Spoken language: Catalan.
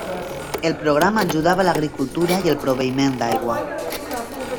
El programa ajudava l'agricultura i el proveïment d'aigua.